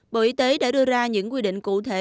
bộ y tế đã đưa ra những quy định cụ thể